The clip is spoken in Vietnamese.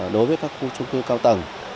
đối với các khu trung tư cao tầng